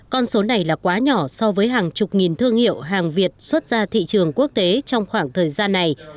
con số này là quá nhỏ so với hàng chục nghìn thương hiệu hàng việt xuất ra thị trường quốc tế trong khoảng thời gian này